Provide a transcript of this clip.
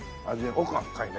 奥が深いね。